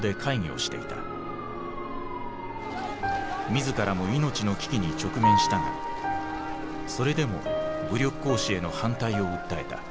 自らも命の危機に直面したがそれでも武力行使への反対を訴えた。